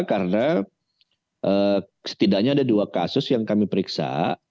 karena setidaknya ada dua kasus yang kami periksa